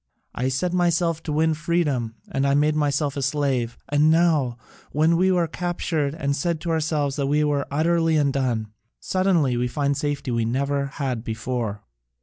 I set myself to win freedom and I made myself a slave, and now, when we were captured and said to ourselves that we were utterly undone, suddenly we find a safety we never had before.